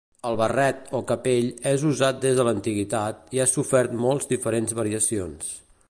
El barret o capell és usat des de l'antiguitat i ha sofert molt diferents variacions.